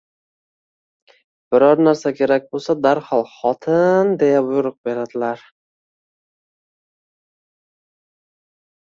Biror narsa kerak bo'lsa darhol Xoti-i-in deya buyruq beriladi